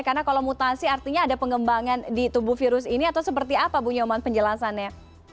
karena kalau mutasi artinya ada pengembangan di tubuh virus ini atau seperti apa bu nyoman penjelasannya